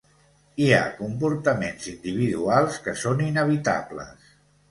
Hi ha comportaments individuals que són inevitables.